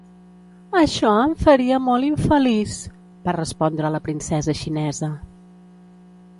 "Això em faria molt infeliç", va respondre la princesa xinesa.